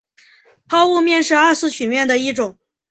抛物面是二次曲面的一种。